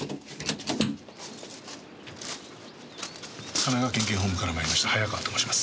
神奈川県警本部から参りました早川と申します。